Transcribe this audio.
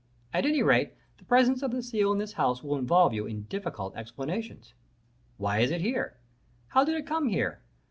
At any rate, the presence of the seal in this house will involve you in difficult explanations. Why is it here? How did it come here?